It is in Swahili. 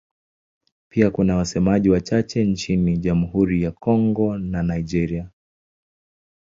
Pia kuna wasemaji wachache nchini Jamhuri ya Kongo na Nigeria.